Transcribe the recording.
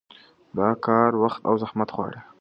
دا کار وخت او زحمت غواړي.